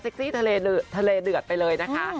ซี่ทะเลเดือดไปเลยนะคะ